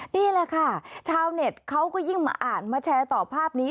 นี่แหละค่ะชาวเน็ตเขาก็ยิ่งมาอ่านมาแชร์ต่อภาพนี้